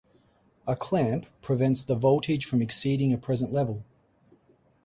A clamp prevents the voltage from exceeding a preset level.